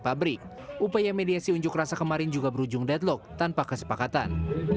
pabrik upaya mediasi unjuk rasa kemarin juga berujung deadlock tanpa kesepakatan